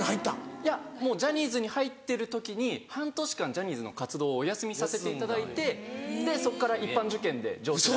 いやジャニーズに入ってる時に半年間ジャニーズの活動をお休みさせていただいてでそっから一般受験で上智大学。